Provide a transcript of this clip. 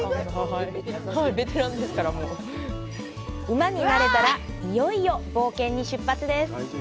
馬に慣れたらいよいよ冒険に出発です！